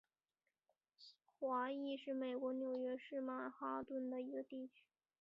华埠是美国纽约市曼哈顿的一个地区。